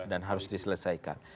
dan harus diselesaikan